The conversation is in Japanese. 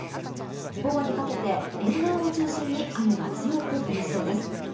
午後にかけて、沿岸を中心に雨が強く降りそうです。